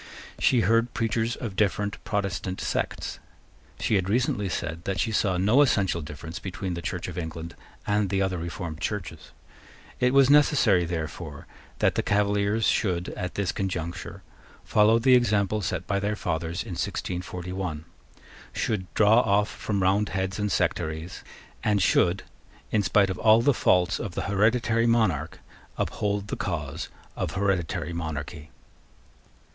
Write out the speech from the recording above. She heard preachers of different Protestant sects. She had recently said that she saw no essential difference between the Church of England and the other reformed Churches. It was necessary, therefore, that the Cavaliers should, at this conjuncture, follow the example set by their fathers in 1641, should draw off from Roundheads and sectaries, and should, in spite of all the faults of the hereditary monarch, uphold the cause of hereditary monarchy.